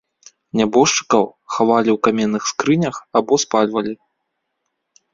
Нябожчыкаў хавалі ў каменных скрынях або спальвалі.